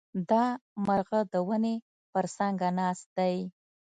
دا مرغه د ونې پر څانګه ناست دی.